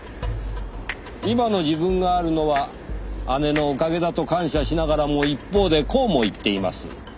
今の自分があるのは姉のおかげだと感謝しながらも一方でこうも言っています。